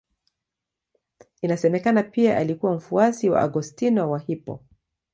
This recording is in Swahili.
Inasemekana pia alikuwa mfuasi wa Augustino wa Hippo.